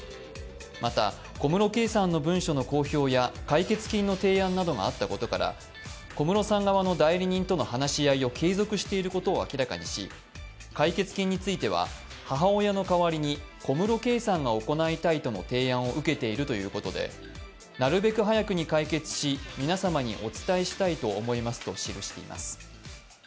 また小室圭さんの文書の公表や解決金の提案などがあったことから小室さん側の代理人との話し合いを継続していることを明らかにし解決金については、母親の代わりに小室圭さんが行いたいとの提案を受けているということでなるべく早くに解決し皆様にお伝えしたいと思いますと記しています。